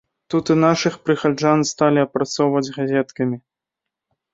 Тут і нашых прыхаджан сталі апрацоўваць газеткамі.